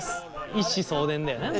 一子相伝だよね。